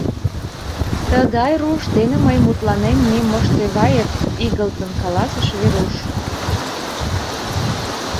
Тыгай руш дене мый мутланен не моштевает, — игылтын каласыш Веруш.